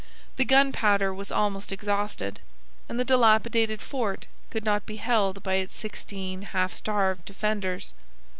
The gunpowder was almost exhausted, and the dilapidated fort could not be held by its sixteen half starved defenders.